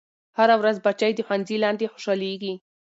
هره ورځ بچے د ښوونځي لاندې خوشحالېږي.